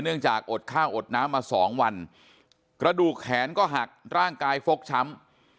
จากอดข้าวอดน้ำมาสองวันกระดูกแขนก็หักร่างกายฟกช้ำ